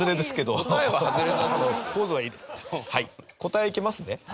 答えいきますね。